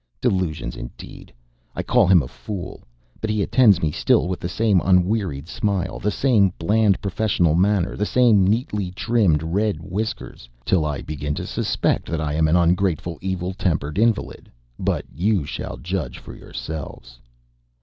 Delusions, indeed! I call him a fool; but he attends me still with the same unwearied smile, the same bland professional manner, the same neatly trimmed red whiskers, till I begin to suspect that I am an ungrateful, evil tempered invalid. But you shall judge for your selves.